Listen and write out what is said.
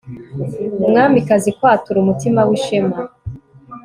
Umwamikazi kwatura umutima wishema